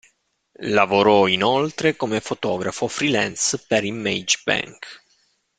Lavorò inoltre come fotografo freelance per "Image Bank".